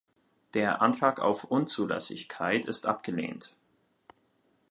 Der Antrag auf Unzulässigkeit ist abgelehnt.